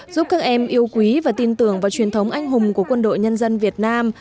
giúp các em yêu quý và tin tưởng vào truyền thống anh hùng của quân đội nhân dân việt nam